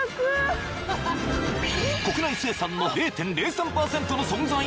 ［国内生産の０．０３％の存在！？